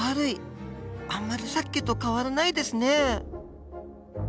あんまりさっきと変わらないですね。